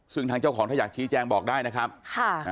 ซึ่งทางเจ้าของถ้าอยากชี้แจงบอกได้นะครับค่ะ